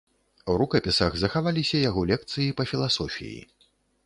У рукапісах захаваліся яго лекцыі па філасофіі.